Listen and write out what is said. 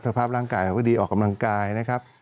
สภาพร่างกายเราก็ดีออกกำลังกายนะครับ